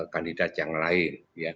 kandidat yang lain